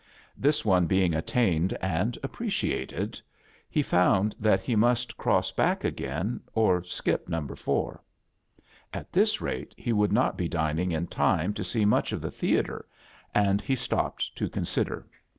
This one being attained and appreciated, he found that he must cross back again or skip number four. At this rate he would not be dining in time to see miK^ of the theatre, and he stopped A JOURNEY iN SEARCH OF CHRISTMAS to consider.